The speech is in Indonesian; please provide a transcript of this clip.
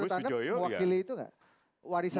menurut anda mewakili itu tidak